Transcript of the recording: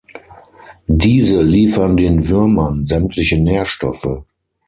Diese liefern den Würmern sämtliche Nährstoffe.